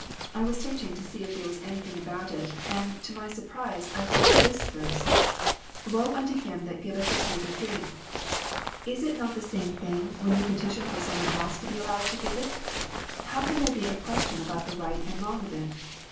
I was searching to see if there was anything about it, and, to my sur 336 FANATICISM. prise, I found this verse : Woe unto him that giveth his neighbor drink.' Is it not the same thing when you petition for some one else to be allowed to give it ? How can there be a question about the right and wrong of it